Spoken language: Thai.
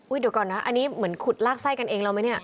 เดี๋ยวก่อนนะอันนี้เหมือนขุดลากไส้กันเองแล้วไหมเนี่ย